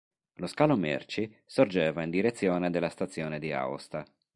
Lo scalo merci, sorgeva in direzione della stazione di Aosta.